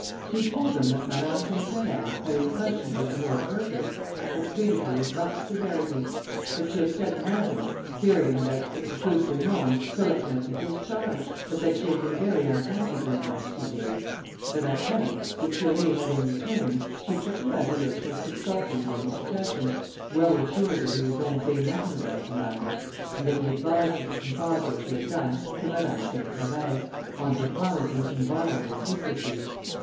She told them that Madame Sainte Therèse, having questioned her to no purpose, had treated her with much severity; that she had said nothing, fearing, that if the truth were known, Philip might be discharged, but that she had been very unhappy during those two days; that at length, the Curé having returned, she took the resolution of consulting him in confession, well assured that he would then say nothing about the matter; and that he advised her to confide what she had done to Madame Sainte Therèse, on her promising inviolable secrecy.